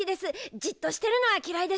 じっとしてるのはきらいです。